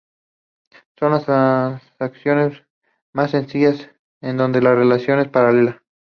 Son las transacciones más sencillas en donde la relación es paralela.